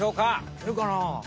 いけるかな？